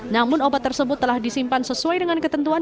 namun obat tersebut telah disimpan sesuai dengan ketentuan